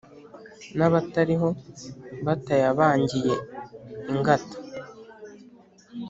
N'abatariho batayabangiye ingata